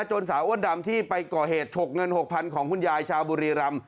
สาวอ้วนดำที่ไปก่อเหตุฉกเงิน๖๐๐๐ของคุณยายชาวบุรีรำ